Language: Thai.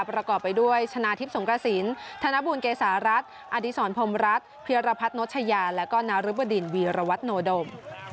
ประกอบไปด้วยชนะทิพย์สงกระสินธนบูลเกษารัฐอดีศรพรมรัฐเพียรพัฒนชยาแล้วก็นารุบดินวีรวัตโนดม